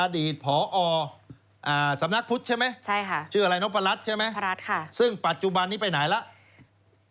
อดีตผอสำนักพุทธใช่ไหมชื่ออะไรนพรัชใช่ไหมซึ่งปัจจุบันนี้ไปไหนแล้ว